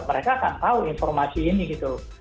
mereka akan tahu informasi ini gitu loh